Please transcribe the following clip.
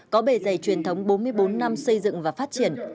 có bề dày truyền thống bốn mươi bốn năm xây dựng và phát triển